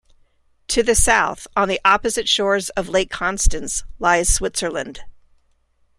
To the south, on the opposite shores of Lake Constance, lies Switzerland.